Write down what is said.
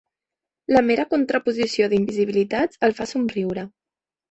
La mera contraposició d'invisibilitats el fa somriure.